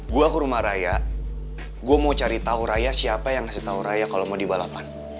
gue ke rumah raya gue mau cari tau raya siapa yang ngasih tau raya kalau mau di balapan